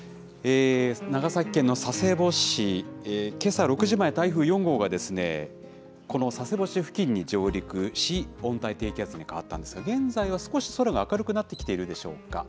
長崎県の佐世保市、けさ６時前、台風４号がこの佐世保市付近に上陸し、温帯低気圧に変わったんですが、現在は少し空が明るくなってきているでしょうか。